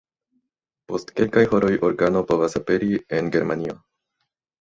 Post kelkaj horoj organo povas aperi en Germanio.